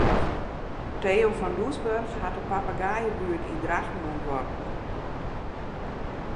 Theo van Doesburg hat de papegaaiebuert yn Drachten ûntwurpen.